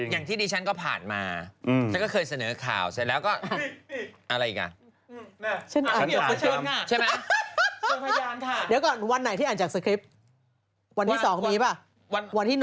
ค่ะฉ้ามาค่ะฉ้าปราตัญเจริญ